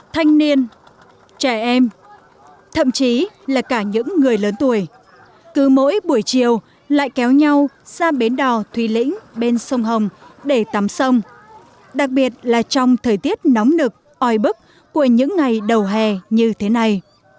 thanh niên trẻ em thậm chí là cả những người lớn tuổi cứ mỗi buổi chiều lại kéo nhau sang bến đò thùy lĩnh bên sông hồng để tắm sông đặc biệt là trong thời tiết nóng nực oi bức của những ngày đầu hè như thế này